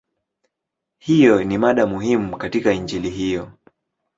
Hiyo ni mada muhimu katika Injili hiyo.